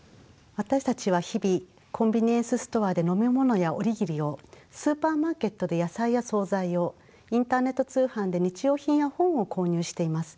私たちは日々コンビニエンスストアで飲み物やお握りをスーパーマーケットで野菜や総菜をインターネット通販で日用品や本を購入しています。